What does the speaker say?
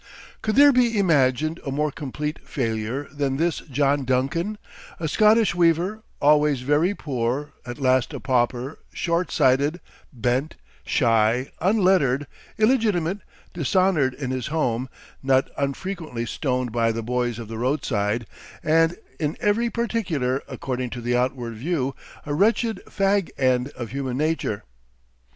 Could there be imagined a more complete "failure" than this John Duncan, a Scottish weaver, always very poor, at last a pauper, short sighted, bent, shy, unlettered, illegitimate, dishonored in his home, not unfrequently stoned by the boys of the roadside, and in every particular, according to the outward view, a wretched fag end of human nature!